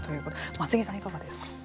松木さんは、いかがですか。